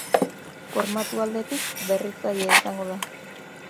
Formatu aldetik berritzailea izango da.